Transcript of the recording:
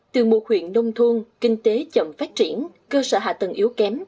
từ một huyện nông thôn kinh tế chậm phát triển cơ sở hạ tầng yếu kém